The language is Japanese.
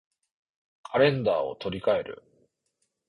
カレンダーを取り換える